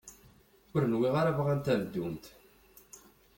Ur nwiɣ ara bɣant ad ddunt.